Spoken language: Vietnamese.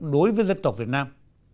đối với dân tộc việt nam